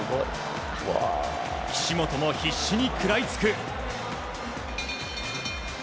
岸本も必死に食らいつく。